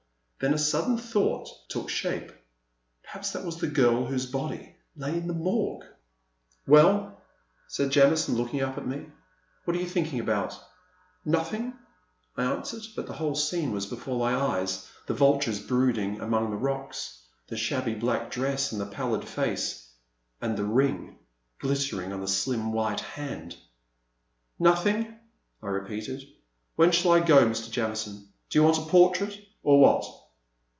Then a sudden thought took A Pleasant Evening. 327 shape — ^perhaps that was the girl whose body lay in the Morgue ! Well/' said Jamison, looking up at me, what are you thinking about ?*'Nothing,'* I answered, but the whole scene was before my eyes, the vultures brooding among the rocks, the shabby black dress, and the pallid face, — and the ring, glittering on that slim white hand !Nothing,*' I repeated, when shall I go, Mr. Jamison ? Do you want a portrait — or what